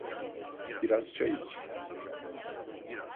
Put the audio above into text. Biraz çay iç.